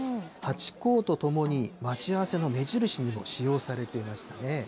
ハチ公とともに待ち合わせの目印にも使用されていましたね。